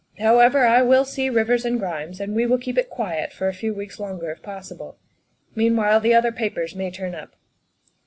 However, I will see Rivers and Grimes, and we will keep it quiet for a few weeks longer if possible. Meanwhile, the other papers may turn up."